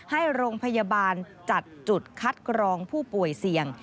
ให้โรงพยาบาลจัดจุดคัดกรองผู้ป่วยเสี่ยง